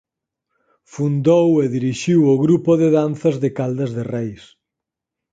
Fundou e dirixiu o Grupo de Danzas de Caldas de Reis.